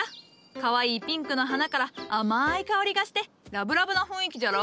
かわいいピンクの花から甘い香りがしてラブラブな雰囲気じゃろ？